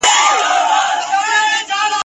لکه وېره د لستوڼي له مارانو ..